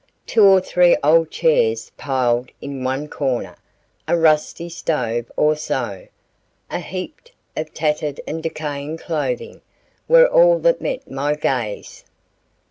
Two or three old chairs piled in one corner, a rusty stove or so, a heap of tattered and decaying clothing, were all that met my gaze.